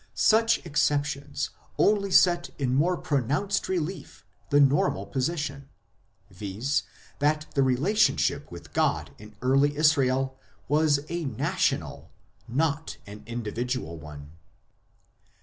Such exceptions only set in more pronounced relief the normal position, viz. that the relationship with God in early Israel was a national, not an individual one.